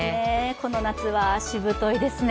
この夏はしぶといですね。